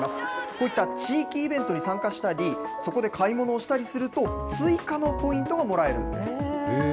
こういった地域イベントに参加したり、そこで買い物をしたりすると、追加のポイントがもらえるんです。